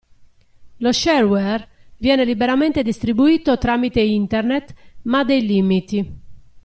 Lo shareware viene liberamente distribuito tramite internet ma ha dei limiti.